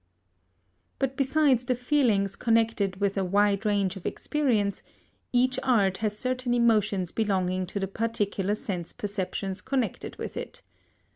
But besides the feelings connected with a wide range of experience, each art has certain emotions belonging to the particular sense perceptions connected with it.